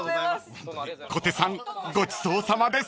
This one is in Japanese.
［小手さんごちそうさまです］